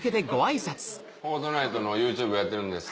『フォートナイト』のＹｏｕＴｕｂｅやってるんです。